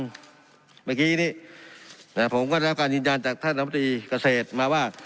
เมื่อกี้นี้ผมก็ได้รับการยืนยันจากท่านรัฐมนตรีเกษตรมาว่า